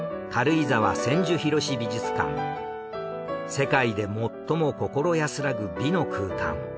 世界で最も心安らぐ美の空間。